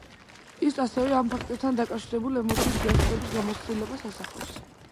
ის ასევე ამ ფაქტებთან დაკავშირებულ ემოციური განცდების გამოცდილებას ასახავს.